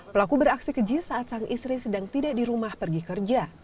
pelaku beraksi keji saat sang istri sedang tidak di rumah pergi kerja